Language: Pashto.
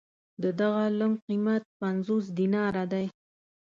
د دغه لنګ قېمت پنځوس دیناره دی.